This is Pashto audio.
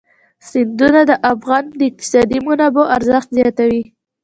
سیندونه د افغانستان د اقتصادي منابعو ارزښت زیاتوي.